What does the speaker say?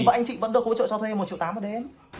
thì anh chị vẫn được hỗ trợ cho thuê một triệu tám một đêm